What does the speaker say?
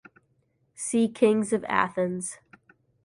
See Kings of Athens.